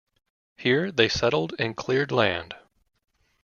Here, they settled and cleared land.